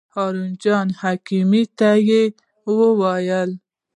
هارون جان حکیمي ته یې وویل.